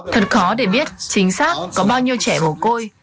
thật khó để biết chính xác có bao nhiêu trẻ bồ côi